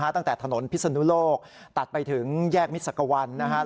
ตั้งแต่ถนนพิศนุโลกตัดไปถึงแยกมิสักวันนะครับ